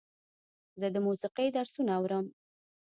زه د موسیقۍ درسونه اورم.